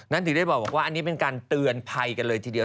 ถึงได้บอกว่าอันนี้เป็นการเตือนภัยกันเลยทีเดียว